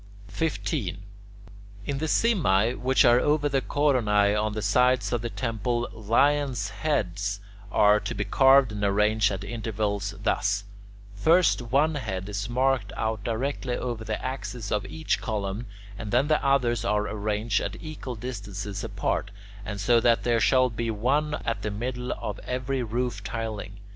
15. In the simae which are over the coronae on the sides of the temple, lion's heads are to be carved and arranged at intervals thus: First one head is marked out directly over the axis of each column, and then the others are arranged at equal distances apart, and so that there shall be one at the middle of every roof tiling.